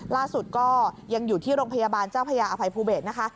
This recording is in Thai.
ล่าสุดก็ยังอยู่ที่โรงพยาบาลเจ้าพระยาอภัยภูเบศนะคะ